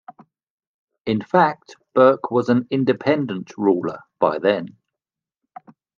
In fact, Berke was an independent ruler by then.